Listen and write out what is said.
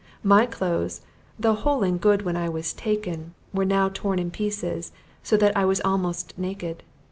My clothes, though whole and good when I was taken, were now torn in pieces, so that I was almost naked.